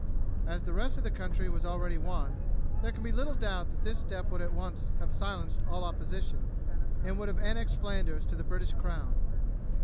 As the rest of the country was already won, there can be little doubt that this step would at once have silenced all opposition, and would have annexed Flanders to the British crown.